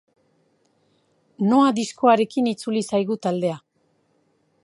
Noa diskoarekin itzuli zaigu taldea.